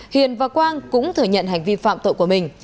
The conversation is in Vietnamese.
hiền và quang cũng thừa nhận hành vi phạm tội của mình